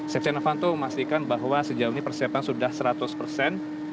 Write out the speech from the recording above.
setia novanto memastikan bahwa sejauh ini persiapan sudah seratus persen